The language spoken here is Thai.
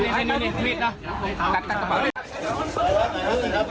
สวัสดีครับสวัสดีครับ